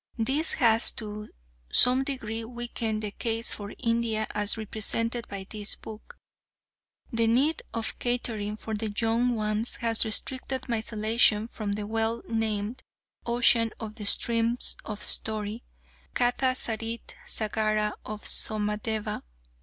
This has to some degree weakened the case for India as represented by this book. The need of catering for the young ones has restricted my selection from the well named "Ocean of the Streams of Story," Katha Sarit Sagara of Somadeva.